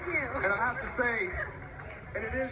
เราได้หมายเป็นกับพวกนี้คือ